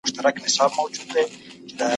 پښتو د زده کوونکو لپاره اسانه ده.